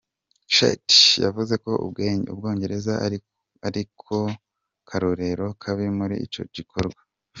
Shetty yavuze Ubwongereza ari ko karorero kabi muri ico gikorwa.